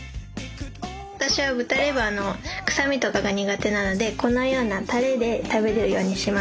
私は豚レバーの臭みとかが苦手なのでこのようなタレで食べるようにしました。